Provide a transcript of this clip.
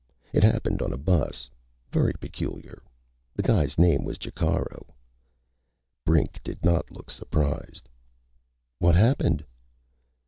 It happened on a bus. Very peculiar. The guy's name was Jacaro." Brink did not look surprised. "What happened?"